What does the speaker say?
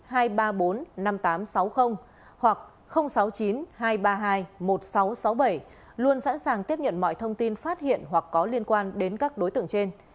cơ quan công an sáu trăm sáu mươi bảy luôn sẵn sàng tiếp nhận mọi thông tin phát hiện hoặc có liên quan đến các đối tượng trên